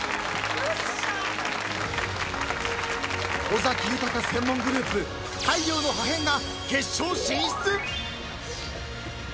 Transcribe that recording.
［尾崎豊専門グループ太陽の破片が］